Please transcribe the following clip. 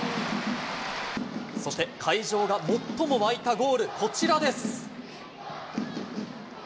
そして会場が最も沸いたゴール、こちらです。